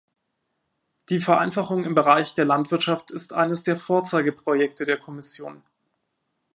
Die Vereinfachung im Bereich der Landwirtschaft ist eines der Vorzeigeprojekte der Kommission.